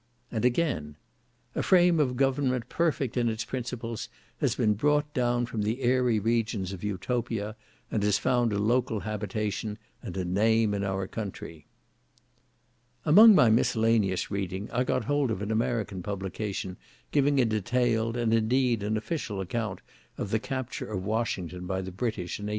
And again, "A frame of government perfect in its principles has been brought down from the airy regions of Utopia, and has found a local habitation and a name in our country." Among my miscellaneous reading, I got hold of an American publication giving a detailed, and, indeed, an official account of the capture of Washington by the British, in 1814.